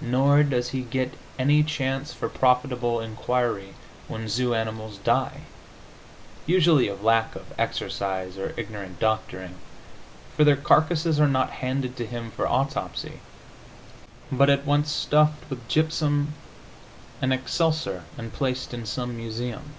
Nor does he get any chance for profitable inquiry when zoo animals die (usually of lack of exercise or ignorant doctoring), for their carcasses are not handed to him for autopsy, but at once stuffed with gypsum and excelsior and placed in some museum.